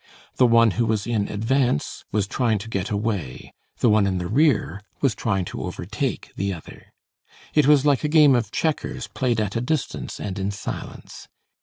The one who was in advance was trying to get away, the one in the rear was trying to overtake the other. It was like a game of checkers played at a distance and in silence.